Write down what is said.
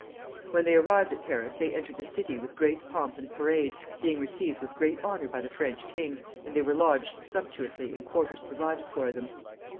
When they arrived at Paris they entered the city with great pomp and parade, being received with great honor by the French king, and they were lodged sumptuously in quarters provided for them.